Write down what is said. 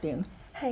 はい。